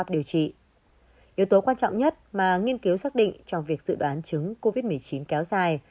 yếu tố quan trọng nhất mà nghiên cứu xác định cho việc dự đoán chứng covid một mươi chín kéo dài